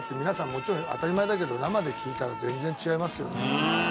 もちろん当たり前だけど生で聴いたら全然違いますよね。